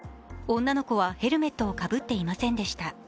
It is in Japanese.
女の子は、ヘルメットをかぶっていませんでした。